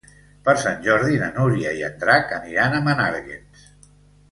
Per Sant Jordi na Núria i en Drac aniran a Menàrguens.